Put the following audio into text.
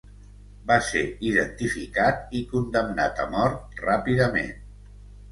Va ser identificat i condemnat a mort ràpidament.